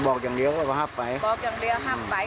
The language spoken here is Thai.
บอกอย่างเดียวว่าห้ามไปบอกอย่างเดียวห้ามไป